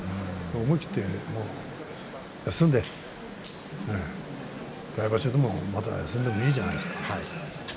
思い切って休んで来場所でも、また出てくればいいじゃないですか。